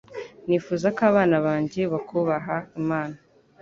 nifuza ko abana banjye bakubaha imana